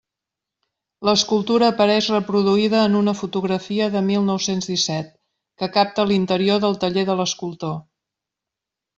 L'escultura apareix reproduïda en una fotografia de mil nou-cents disset, que capta l'interior del taller de l'escultor.